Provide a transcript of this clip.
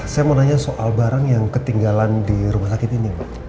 saya mau nanya soal barang yang ketinggalan di rumah sakit ini